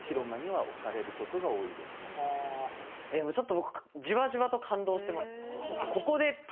ちょっと僕。